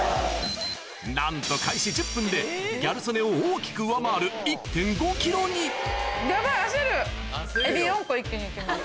なんと開始１０分でギャル曽根を大きく上回る１．５ｋｇにエビ４個一気に行きます。